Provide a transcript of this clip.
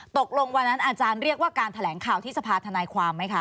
ตกลงวันนั้นอาจารย์เรียกว่าการแถลงข่าวที่สภาธนายความไหมคะ